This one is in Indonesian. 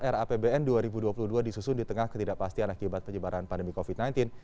rapbn dua ribu dua puluh dua disusun di tengah ketidakpastian akibat penyebaran pandemi covid sembilan belas